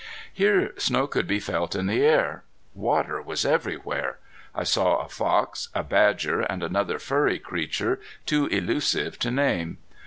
Here snow could be felt in the air. Water was everywhere. I saw a fox, a badger, and another furry creature, too illusive to name.